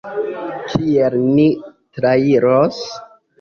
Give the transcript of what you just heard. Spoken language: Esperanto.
Kiel ni trairos?